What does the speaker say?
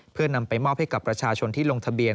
เพื่อนำไปมอบให้กับประชาชนที่ลงทะเบียน